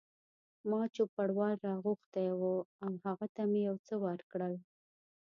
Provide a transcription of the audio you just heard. ما چوپړوال را غوښتی و او هغه ته مې یو څه ورکړل.